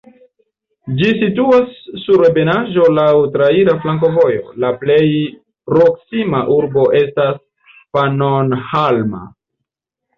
Ĝi situas sur malebenaĵo laŭ traira flankovojo, la plej proksima urbo estas Pannonhalma.